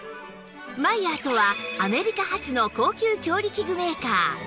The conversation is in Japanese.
マイヤーとはアメリカ発の高級調理器具メーカー